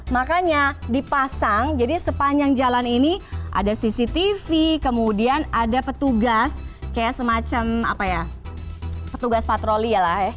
makanya dipasang jadi sepanjang jalan ini ada cctv kemudian ada petugas kayak semacam apa ya petugas patroli ya lah ya